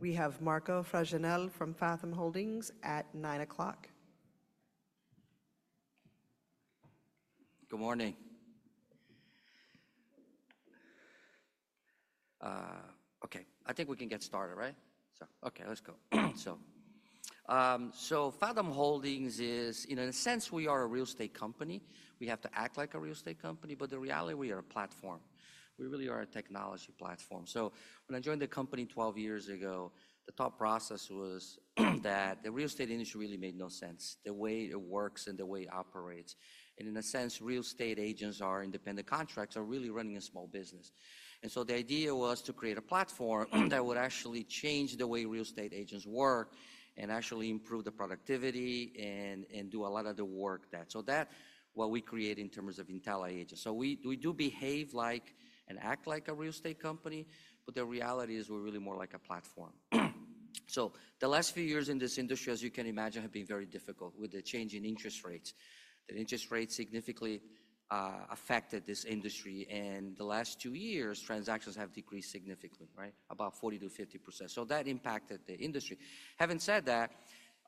We have Marco Fregenal from Fathom Holdings at 9:00 A.M. Good morning. Okay, I think we can get started, right? Okay, let's go. Fathom Holdings is, in a sense, we are a real estate company. We have to act like a real estate company, but in reality, we are a platform. We really are a technology platform. When I joined the company 12 years ago, the thought process was that the real estate industry really made no sense, the way it works and the way it operates. In a sense, real estate agents are independent contractors, are really running a small business. The idea was to create a platform that would actually change the way real estate agents work and actually improve the productivity and do a lot of the work that, so that's what we create in terms of intelliAgent. We do behave like and act like a real estate company, but the reality is we're really more like a platform. The last few years in this industry, as you can imagine, have been very difficult with the change in interest rates. The interest rates significantly affected this industry, and the last two years, transactions have decreased significantly, right? About 40%-50%. That impacted the industry. Having said that,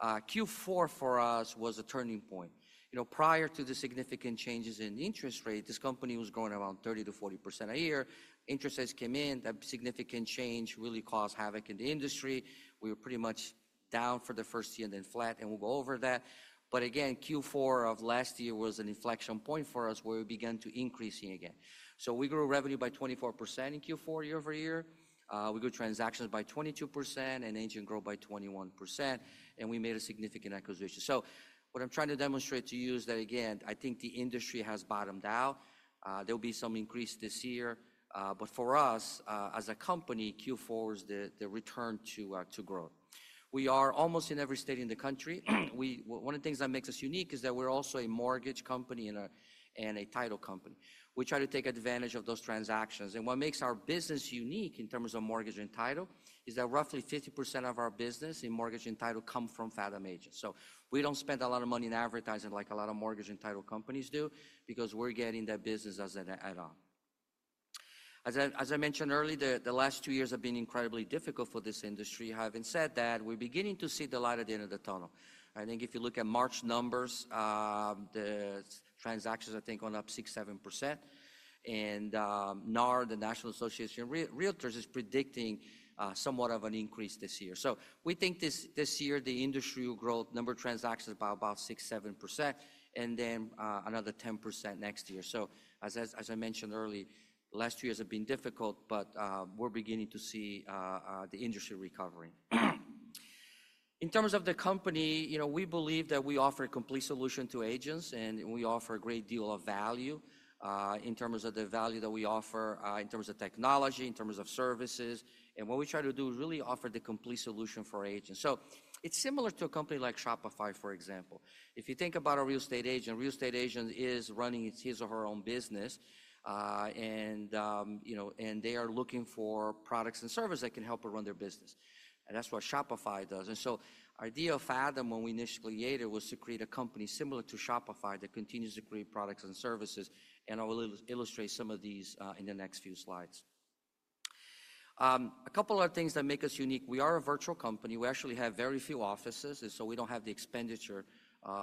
Q4 for us was a turning point. You know, prior to the significant changes in interest rates, this company was growing around 30%-40% a year. Interest rates came in that significant change really caused havoc in the industry. We were pretty much down for the first year and then flat, and we'll go over that. Again, Q4 of last year was an inflection point for us, where we began to increase again. We grew revenue by 24% in Q4 year-over-year. We grew transactions by 22% and engine growth by 21%, and we made a significant acquisition. What I'm trying to demonstrate to you is that, again, I think the industry has bottomed out. There will be some increase this year, but for us as a company, Q4 is the return to growth. We are almost in every state in the country. One of the things that makes us unique is that we're also a mortgage company and a title company. We try to take advantage of those transactions. What makes our business unique in terms of mortgage and title is that roughly 50% of our business in mortgage and title comes from Fathom agents. We don't spend a lot of money in advertising like a lot of mortgage and title companies do because we're getting that business as an add-on. As I mentioned earlier, the last two years have been incredibly difficult for this industry. Having said that, we're beginning to see the light at the end of the tunnel. I think if you look at March numbers, the transactions I think went up 6%-7%, and NAR, the National Association of REALTORS, is predicting somewhat of an increase this year. We think this year the industry will grow number of transactions by about 6%-7%, and then another 10% next year. As I mentioned earlier, last two years have been difficult, but we're beginning to see the industry recovering. In terms of the company, you know, we believe that we offer a complete solution to agents, and we offer a great deal of value in terms of the value that we offer in terms of technology, in terms of services. What we try to do is really offer the complete solution for agents. It is similar to a company like Shopify, for example. If you think about a real estate agent, a real estate agent is running his or her own business, and you know, and they are looking for products and services that can help her run their business. That is what Shopify does. Our idea of Fathom, when we initially created it, was to create a company similar to Shopify that continues to create products and services. I will illustrate some of these in the next few slides. A couple of things that make us unique. We are a virtual company. We actually have very few offices, and so we do not have the expenditure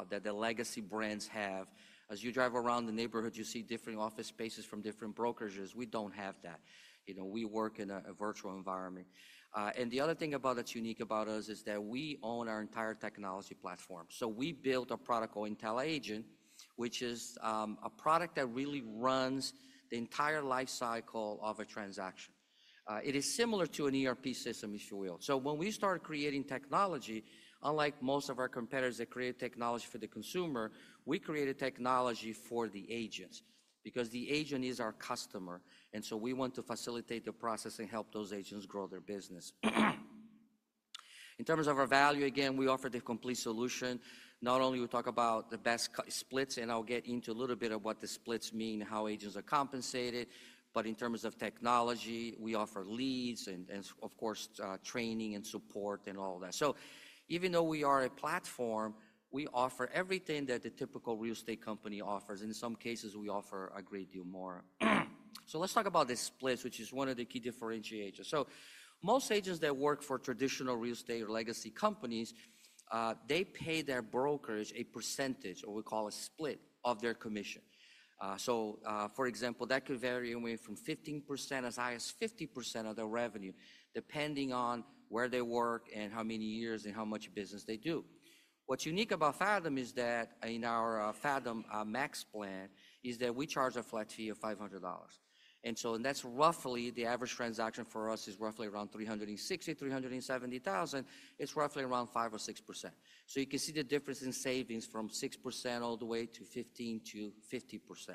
that the legacy brands have. As you drive around the neighborhood, you see different office spaces from different brokerages. We do not have that. You know, we work in a virtual environment. The other thing that is unique about us is that we own our entire technology platform. We built a product called intelliAgent, which is a product that really runs the entire life cycle of a transaction. It is similar to an ERP system, if you will. When we started creating technology, unlike most of our competitors that create technology for the consumer, we created technology for the agents because the agent is our customer. We want to facilitate the process and help those agents grow their business. In terms of our value, again, we offer the complete solution. Not only we talk about the best splits, and I'll get into a little bit of what the splits mean and how agents are compensated, but in terms of technology, we offer leads and, of course, training and support and all that. Even though we are a platform, we offer everything that the typical real estate company offers. In some cases, we offer a great deal more. Let's talk about the splits, which is one of the key differentiators. Most agents that work for traditional real estate or legacy companies pay their brokers a percentage, or we call a split, of their commission. For example, that could vary anywhere from 15%-50% of their revenue, depending on where they work and how many years and how much business they do. What's unique about Fathom is that in our Fathom Max plan, is that we charge a flat fee of $500. And so that's roughly the average transaction for us is roughly around $360,000, $370,000. It's roughly around 5% or 6%. So you can see the difference in savings from 6% all the way to 15%-50%.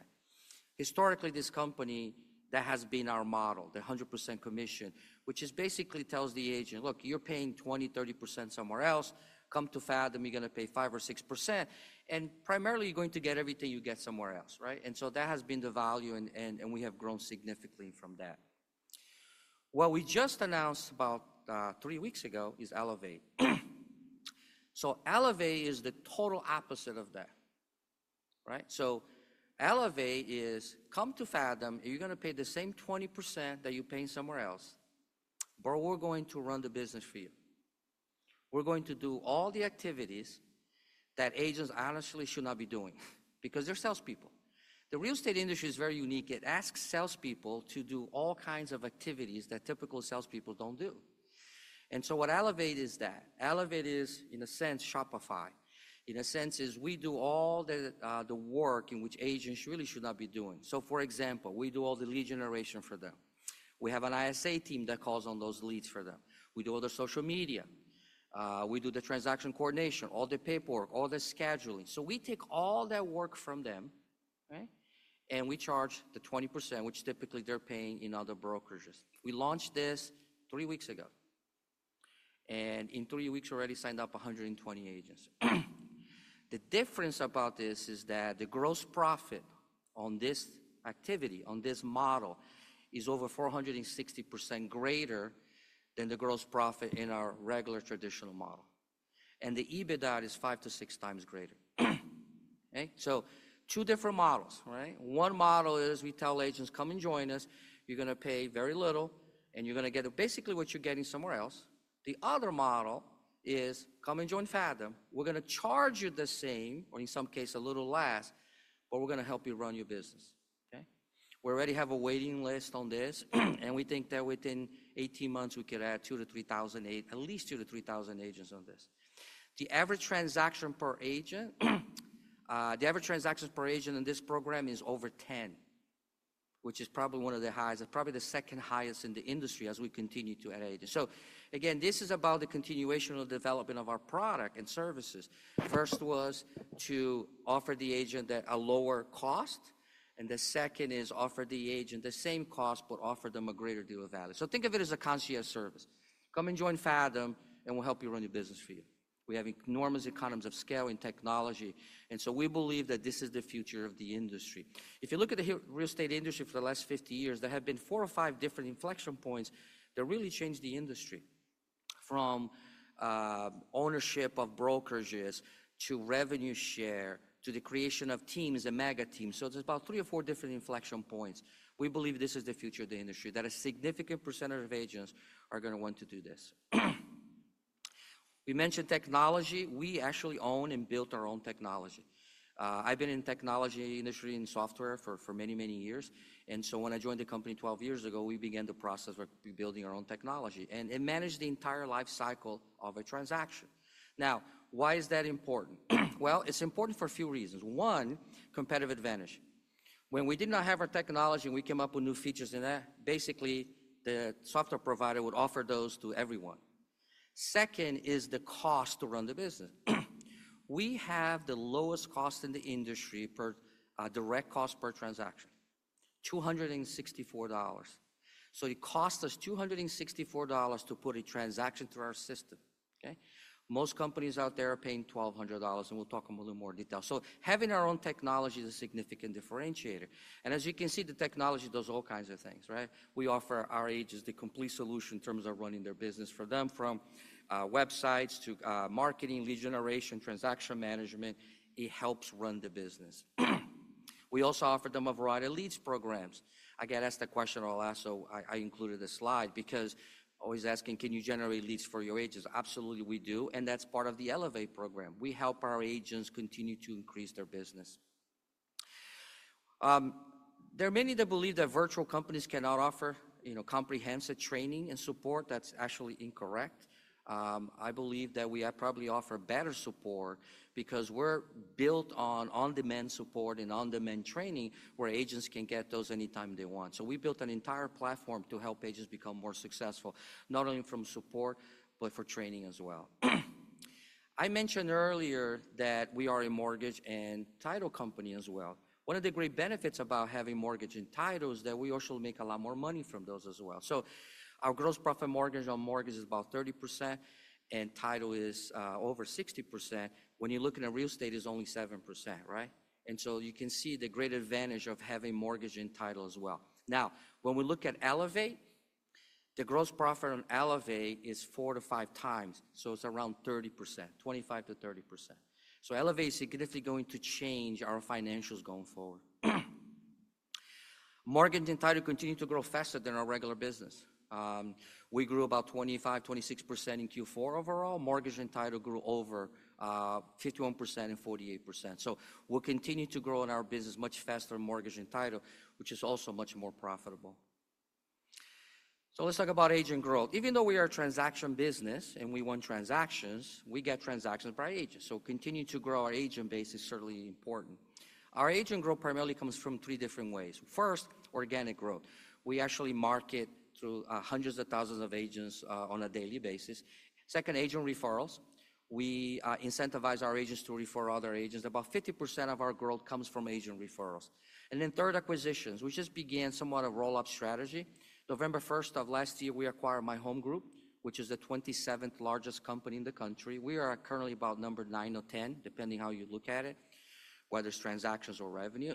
Historically, this company that has been our model, the 100% commission, which basically tells the agent, "Look, you're paying 20%-30% somewhere else. Come to Fathom, you're going to pay 5% or 6%, and primarily you're going to get everything you get somewhere else," right? And so that has been the value, and we have grown significantly from that. What we just announced about three weeks ago is Elevate. So Elevate is the total opposite of that, right? Elevate is, "Come to Fathom, you're going to pay the same 20% that you're paying somewhere else, but we're going to run the business for you. We're going to do all the activities that agents honestly should not be doing because they're salespeople." The real estate industry is very unique. It asks salespeople to do all kinds of activities that typical salespeople don't do. What Elevate is, is that Elevate is, in a sense, Shopify. In a sense, we do all the work in which agents really should not be doing. For example, we do all the lead generation for them. We have an ISA team that calls on those leads for them. We do all the social media. We do the transaction coordination, all the paperwork, all the scheduling. We take all that work from them, right? We charge the 20%, which typically they're paying in other brokerages. We launched this three weeks ago, and in three weeks already signed up 120 agents. The difference about this is that the gross profit on this activity, on this model, is over 460% greater than the gross profit in our regular traditional model. The EBITDA is five to six times greater. Two different models, right? One model is we tell agents, "Come and join us. You're going to pay very little, and you're going to get basically what you're getting somewhere else." The other model is, "Come and join Fathom. We're going to charge you the same, or in some case, a little less, but we're going to help you run your business. We already have a waiting list on this, and we think that within 18 months, we could add 2,000-3,000, at least 2,000-3,000 agents on this. The average transactions per agent in this program is over 10, which is probably one of the highest, probably the second highest in the industry, as we continue to add agents. This is about the continuation of development of our product and services. First was to offer the agent a lower cost, and the second is offer the agent the same cost, but offer them a greater deal of value. Think of it as a concierge service. "Come and join Fathom, and we'll help you run your business for you." We have enormous economies of scale in technology, and we believe that this is the future of the industry. If you look at the real estate industry for the last 50 years, there have been four or five different inflection points that really changed the industry from ownership of brokerages to revenue share to the creation of teams and mega teams. There are about three or four different inflection points. We believe this is the future of the industry, that a significant percentage of agents are going to want to do this. We mentioned technology. We actually own and built our own technology. I've been in the technology industry and software for many, many years. When I joined the company 12 years ago, we began the process of building our own technology and managed the entire life cycle of a transaction. Now, why is that important? It's important for a few reasons. One, competitive advantage. When we did not have our technology, and we came up with new features in that, basically, the software provider would offer those to everyone. Second is the cost to run the business. We have the lowest cost in the industry per direct cost per transaction, $264. So it costs us $264 to put a transaction through our system. Most companies out there are paying $1,200, and we will talk in a little more detail. Having our own technology is a significant differentiator. As you can see, the technology does all kinds of things, right? We offer our agents the complete solution in terms of running their business for them, from websites to marketing, lead generation, transaction management. It helps run the business. We also offer them a variety of leads programs. I get asked the question a lot, so I included a slide because I was asking, "Can you generate leads for your agents?" Absolutely, we do. That is part of the Elevate program. We help our agents continue to increase their business. There are many that believe that virtual companies cannot offer, you know, comprehensive training and support. That is actually incorrect. I believe that we probably offer better support because we are built on on-demand support and on-demand training, where agents can get those anytime they want. We built an entire platform to help agents become more successful, not only from support, but for training as well. I mentioned earlier that we are a mortgage and title company as well. One of the great benefits about having mortgage and title is that we actually make a lot more money from those as well. Our gross profit margin on mortgage is about 30%, and title is over 60%. When you look at real estate, it's only 7%, right? You can see the great advantage of having mortgage and title as well. Now, when we look at Elevate, the gross profit on Elevate is four to five times, so it's around 25%-30%. Elevate is significantly going to change our financials going forward. Mortgage and title continue to grow faster than our regular business. We grew about 25%-26% in Q4 overall. Mortgage and title grew over 51% and 48%. We'll continue to grow in our business much faster than mortgage and title, which is also much more profitable. Let's talk about agent growth. Even though we are a transaction business and we want transactions, we get transactions by agents. Continuing to grow our agent base is certainly important. Our agent growth primarily comes from three different ways. First, organic growth. We actually market through hundreds of thousands of agents on a daily basis. Second, agent referrals. We incentivize our agents to refer other agents. About 50% of our growth comes from agent referrals. Third, acquisitions. We just began somewhat a roll-up strategy. November 1st of last year, we acquired My Home Group, which is the 27th largest company in the country. We are currently about number nine or ten, depending on how you look at it, whether it's transactions or revenue.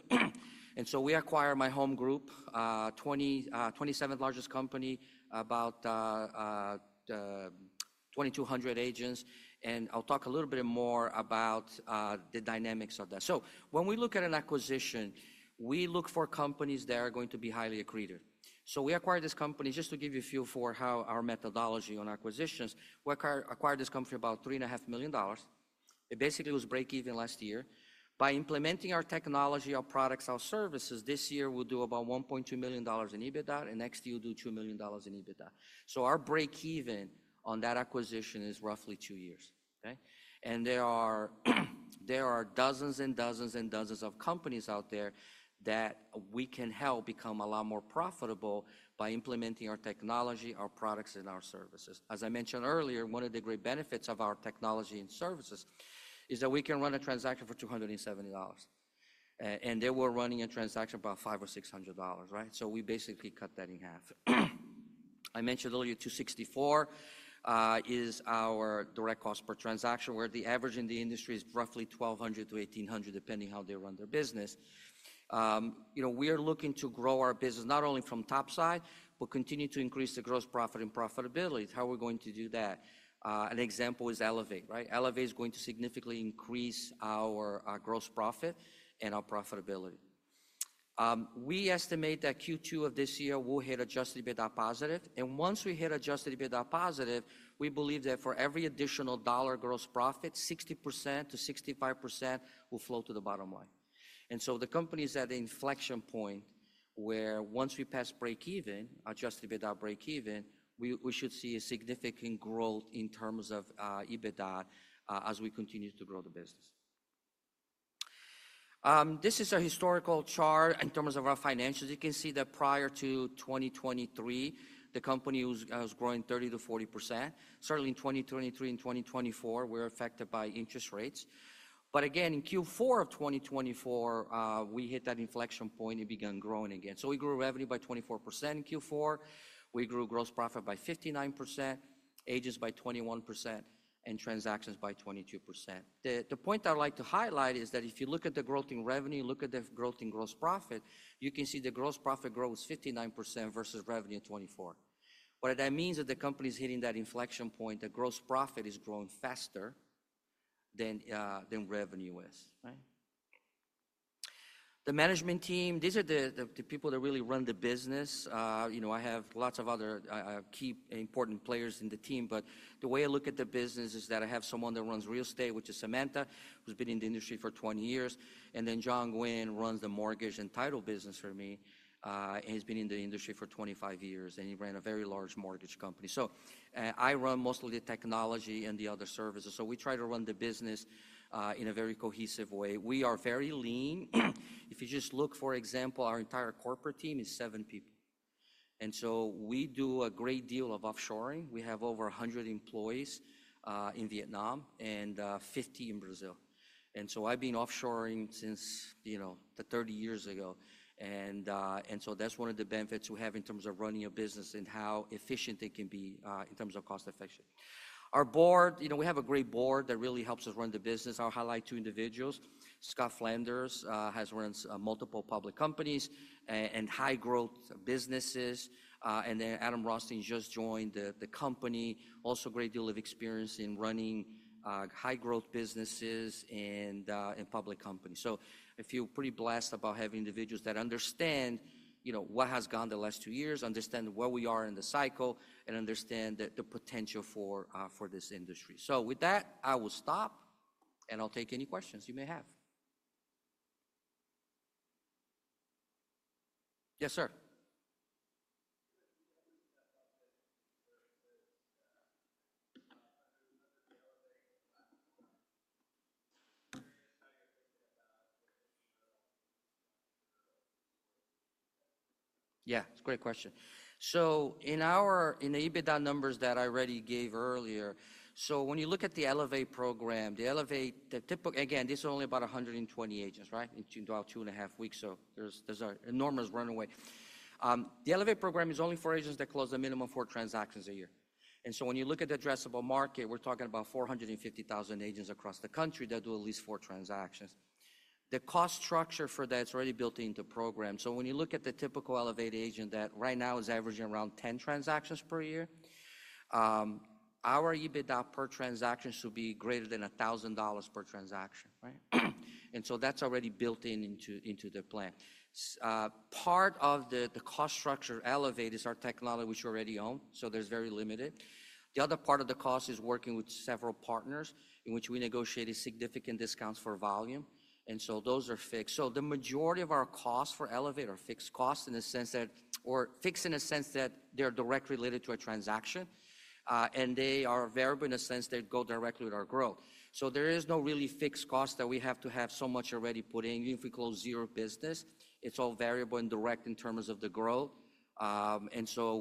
We acquired My Home Group, 27th largest company, about 2,200 agents. I'll talk a little bit more about the dynamics of that. When we look at an acquisition, we look for companies that are going to be highly accredited. We acquired this company just to give you a feel for how our methodology on acquisitions. We acquired this company for about $3.5 million. It basically was break-even last year. By implementing our technology, our products, our services, this year we'll do about $1.2 million in EBITDA, and next year we'll do $2 million in EBITDA. Our break-even on that acquisition is roughly two years, okay? There are dozens and dozens and dozens of companies out there that we can help become a lot more profitable by implementing our technology, our products, and our services. As I mentioned earlier, one of the great benefits of our technology and services is that we can run a transaction for $270. They were running a transaction about $500 or $600, right? We basically cut that in half. I mentioned earlier, $264 is our direct cost per transaction, where the average in the industry is roughly $1,200-$1,800, depending on how they run their business. You know, we are looking to grow our business not only from top side, but continue to increase the gross profit and profitability. How are we going to do that? An example is Elevate, right? Elevate is going to significantly increase our gross profit and our profitability. We estimate that Q2 of this year, we'll hit adjusted EBITDA positive. Once we hit adjusted EBITDA positive, we believe that for every additional dollar gross profit, 60%-65% will flow to the bottom line. The company is at an inflection point where once we pass break-even, adjusted EBITDA break-even, we should see a significant growth in terms of EBITDA as we continue to grow the business. This is a historical chart in terms of our financials. You can see that prior to 2023, the company was growing 30%-40%. Certainly, in 2023 and 2024, we're affected by interest rates. Again, in Q4 of 2024, we hit that inflection point and began growing again. We grew revenue by 24% in Q4. We grew gross profit by 59%, agents by 21%, and transactions by 22%. The point I'd like to highlight is that if you look at the growth in revenue, look at the growth in gross profit, you can see the gross profit grows 59% versus revenue in 2024. What that means is that the company is hitting that inflection point. The gross profit is growing faster than revenue is, right? The management team these are the people that really run the business. You know, I have lots of other key important players in the team, but the way I look at the business is that I have someone that runs real estate, which is Samantha, who's been in the industry for 20 years. Then Jon Gwin runs the mortgage and title business for me. He's been in the industry for 25 years, and he ran a very large mortgage company. I run mostly the technology and the other services. We try to run the business in a very cohesive way. We are very lean. If you just look, for example, our entire corporate team is seven people. We do a great deal of offshoring. We have over 100 employees in Vietnam and 50 in Brazil. I've been offshoring since, you know, 30 years ago. That is one of the benefits we have in terms of running a business and how efficient it can be in terms of cost-effectiveness. Our board, you know, we have a great board that really helps us run the business. I will highlight two individuals. Scott Flanders has run multiple public companies and high-growth businesses. Adam Rothstein just joined the company. Also, a great deal of experience in running high-growth businesses and public companies. I feel pretty blessed about having individuals that understand, you know, what has gone the last two years, understand where we are in the cycle, and understand the potential for this industry. With that, I will stop, and I will take any questions you may have. Yes, sir. Yeah, it is a great question. In our EBITDA numbers that I already gave earlier, when you look at the Elevate program, the Elevate, again, this is only about 120 agents, right? In about two and a half weeks, there's an enormous runway. The Elevate program is only for agents that close a minimum of four transactions a year. When you look at the addressable market, we're talking about 450,000 agents across the country that do at least four transactions. The cost structure for that is already built into the program. When you look at the typical Elevate agent that right now is averaging around 10 transactions per year, our EBITDA per transaction should be greater than $1,000 per transaction, right? That's already built into the plan. Part of the cost structure of Elevate is our technology, which we already own, so there's very limited. The other part of the cost is working with several partners, in which we negotiated significant discounts for volume. Those are fixed. The majority of our costs for Elevate are fixed costs in the sense that, or fixed in the sense that they are directly related to a transaction, and they are variable in the sense they go directly with our growth. There is no really fixed cost that we have to have so much already put in. Even if we close zero business, it's all variable and direct in terms of the growth.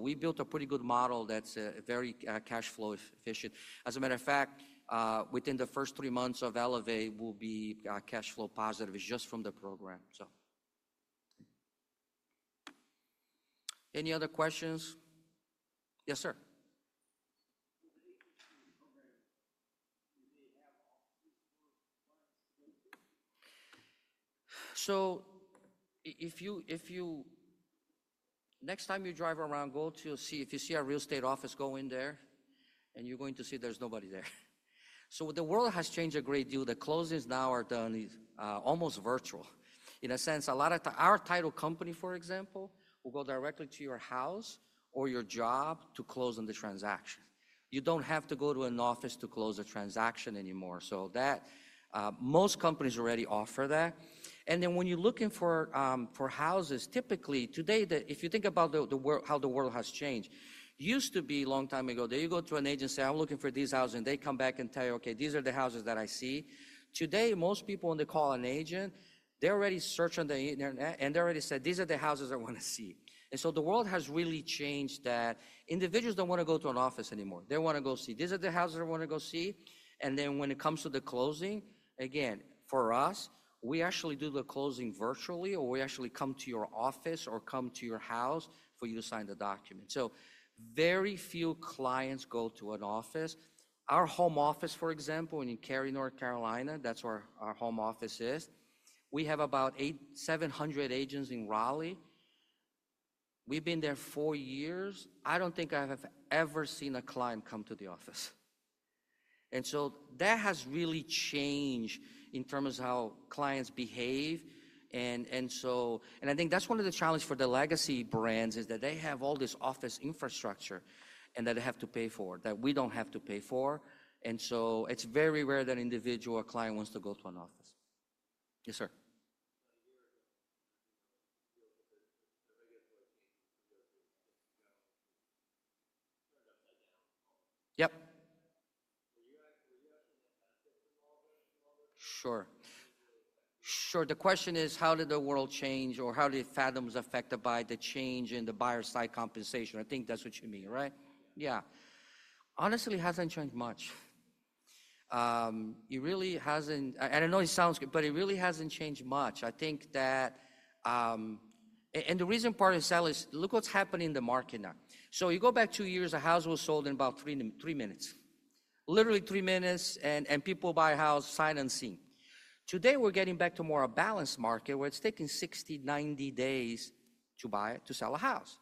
We built a pretty good model that's very cash flow efficient. As a matter of fact, within the first three months of Elevate, we'll be cash flow positive just from the program. Any other questions? Yes, sir. If you, next time you drive around, go to see if you see a real estate office, go in there, and you're going to see there's nobody there. The world has changed a great deal. The closings now are done almost virtual. In a sense, a lot of our title company, for example, will go directly to your house or your job to close on the transaction. You don't have to go to an office to close a transaction anymore. Most companies already offer that. When you're looking for houses, typically today, if you think about how the world has changed, it used to be a long time ago, they'd go to an agent and say, "I'm looking for these houses," and they'd come back and tell you, "Okay, these are the houses that I see." Today, most people, when they call an agent, they already search on the internet, and they already said, "These are the houses I want to see." The world has really changed that. Individuals don't want to go to an office anymore. They want to go see, "These are the houses I want to go see." When it comes to the closing, again, for us, we actually do the closing virtually, or we actually come to your office or come to your house for you to sign the document. Very few clients go to an office. Our home office, for example, in Cary, North Carolina, that's where our home office is. We have about 700 agents in Raleigh. We've been there four years. I don't think I have ever seen a client come to the office. That has really changed in terms of how clients behave. I think that's one of the challenges for the legacy brands is that they have all this office infrastructure that they have to pay for, that we don't have to pay for. It is very rare that an individual or a client wants to go to an office. Yes, sir. Yep. Sure. Sure. The question is, how did the world change, or how did Fathom's affected by the change in the buyer side compensation? I think that's what you mean, right? Yeah. Honestly, it hasn't changed much. It really has not. I know it sounds good, but it really has not changed much. I think that, and the reason part of sell is, look what is happening in the market now. You go back two years, a house was sold in about three minutes. Literally three minutes, and people buy a house, sign, and see. Today, we are getting back to more a balanced market where it is taking 60-90 days to sell a house.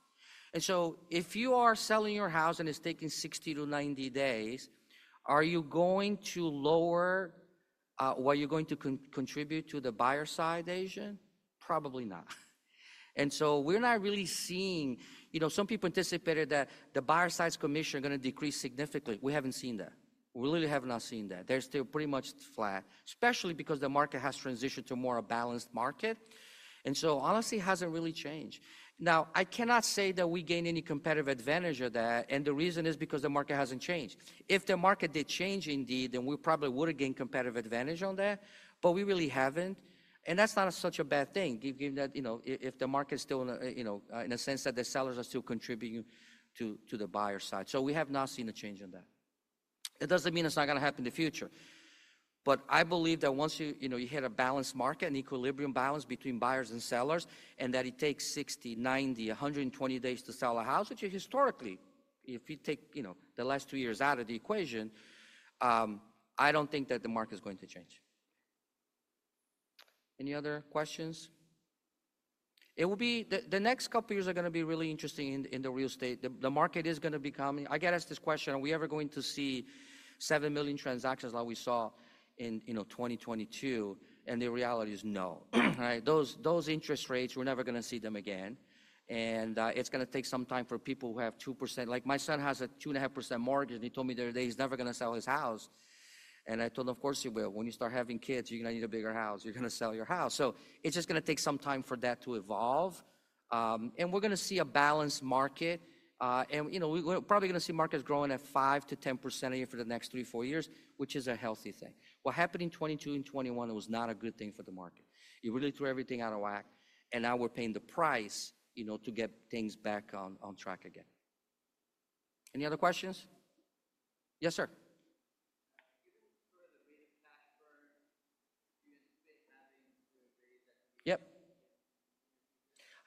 If you are selling your house and it is taking 60-90 days, are you going to lower what you are going to contribute to the buyer side agent? Probably not. We are not really seeing, you know, some people anticipated that the buyer side's commission is going to decrease significantly. We have not seen that. We really have not seen that. They're still pretty much flat, especially because the market has transitioned to more a balanced market. Honestly, it hasn't really changed. Now, I cannot say that we gain any competitive advantage of that, and the reason is because the market hasn't changed. If the market did change indeed, then we probably would have gained competitive advantage on that, but we really haven't. That's not such a bad thing, given that, you know, if the market's still, you know, in a sense that the sellers are still contributing to the buyer side. We have not seen a change in that. It doesn't mean it's not going to happen in the future. I believe that once you hit a balanced market, an equilibrium balance between buyers and sellers, and that it takes 60, 90, 120 days to sell a house, which historically, if you take, you know, the last two years out of the equation, I don't think that the market's going to change. Any other questions? It will be, the next couple of years are going to be really interesting in the real estate. The market is going to become, I get asked this question, are we ever going to see 7 million transactions like we saw in, you know, 2022? The reality is no, right? Those interest rates, we're never going to see them again. It's going to take some time for people who have 2%. Like my son has a 2.5% mortgage, and he told me the other day he's never going to sell his house. I told him, of course, he will. When you start having kids, you're going to need a bigger house. You're going to sell your house. It's just going to take some time for that to evolve. We're going to see a balanced market. You know, we're probably going to see markets growing at 5%-10% a year for the next three, four years, which is a healthy thing. What happened in 2022 and 2021 was not a good thing for the market. It really threw everything out of whack. Now we're paying the price, you know, to get things back on track again. Any other questions? Yes, sir.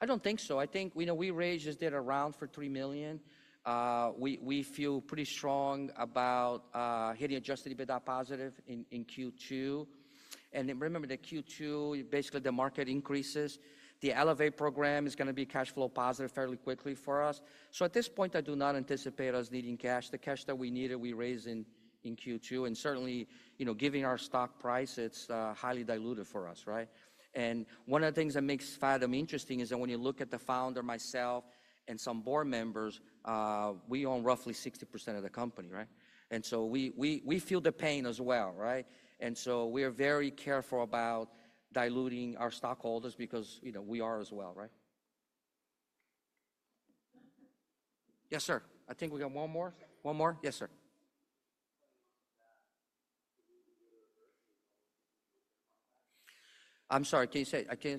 I don't think so. I think, you know, we raised this data around for $3 million. We feel pretty strong about hitting adjusted EBITDA positive in Q2. Remember the Q2, basically the market increases. The Elevate program is going to be cash flow positive fairly quickly for us. At this point, I do not anticipate us needing cash. The cash that we needed, we raised in Q2. Certainly, you know, given our stock price, it's highly diluted for us, right? One of the things that makes Fathom interesting is that when you look at the founder, myself, and some board members, we own roughly 60% of the company, right? We feel the pain as well, right? We are very careful about diluting our stockholders because, you know, we are as well, right? Yes, sir. I think we got one more. One more? Yes, sir. I'm sorry, can you say.